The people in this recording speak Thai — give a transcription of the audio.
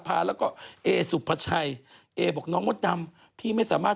กระเทยเก่งกว่าเออแสดงความเป็นเจ้าข้าว